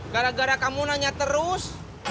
gara gara kamu nanya terus